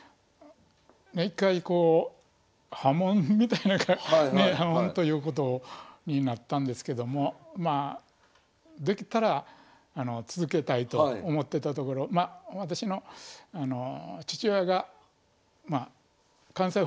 一回こう破門みたいなね破門ということになったんですけどもまあできたら続けたいと思ってたところ私の父親が関西本部に連れていってくれたんですね。